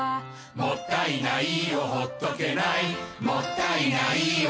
「もったいないをほっとけない」「もったいないをほっとけない」